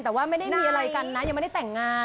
แต่ไม่ได้มีอะไรกันนะ